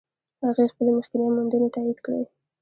هغې خپلې مخکینۍ موندنې تایید کړې.